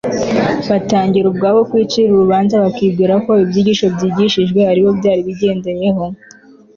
batangira ubwabo kwicira urubanza, bakibwira ko ibyigisho byigishijwe ari bo byari bigendereye